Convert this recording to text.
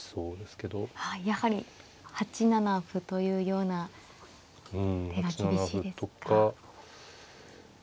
はいやはり８七歩というような手が厳しいですか。